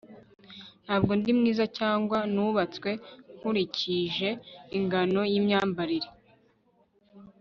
Ntabwo ndi mwiza cyangwa nubatswe nkurikije ingano yimyambarire